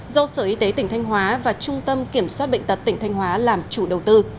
do sở y tế tỉnh thanh hóa và trung tâm kiểm soát bệnh tật tỉnh thanh hóa làm chủ đầu tư